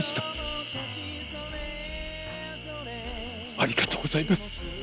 ありがとうございます。